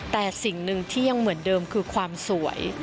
แต่สิ่งหนึ่งที่ยังเหมือนเดิมคือความสวย